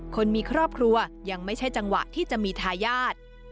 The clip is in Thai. คนมีครอบครัวยังไม่ใช่จังหวะที่จะมีทายาท